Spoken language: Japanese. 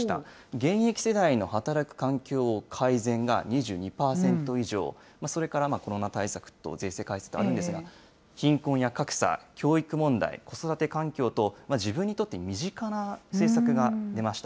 現役世代の働く環境を改善が２２％以上、それからコロナ対策と、税制対策とあるんですが、貧困や格差、教育問題、子育て環境と、自分にとって身近な政策が出ました。